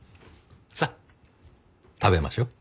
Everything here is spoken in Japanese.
さあ食べましょう。